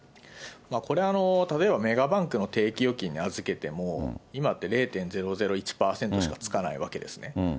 これは例えばメガバンクの定期預金に預けても、今って０．００１％しかつかないわけですね。